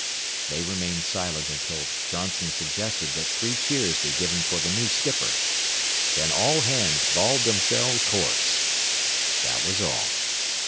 They remained silent until Johnson suggested that three cheers be given for the new skipper. Then all hands bawled themselves hoarse. That was all.